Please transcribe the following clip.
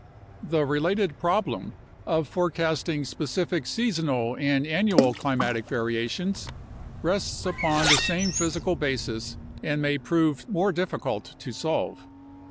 The related problem of forecasting specific seasonal and annual climatic variations rests upon the same physical basis and may prove more difficult to solve.